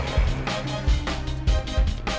apa lagi sih mereka